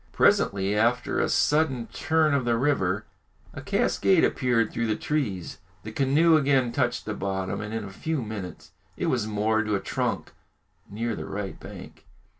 Presently, after a sudden turn of the river, a cascade appeared through the trees. The canoe again touched the bottom, and in a few minutes it was moored to a trunk near the right bank.